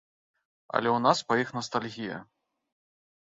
Але ў нас па іх настальгія.